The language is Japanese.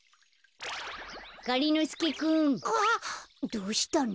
どうしたの？